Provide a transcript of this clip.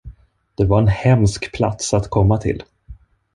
Det var en hemsk plats att komma till.